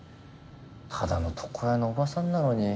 ただの床屋のおばさんなのに。